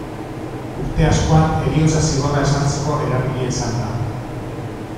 Uste askoan heriotza zigorra ezartzeko erabilia izan da.